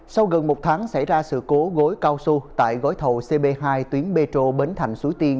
sau gần một tháng xảy ra sự cố gối cao su tại gối thầu cb hai tuyến petro bến thành súi tiên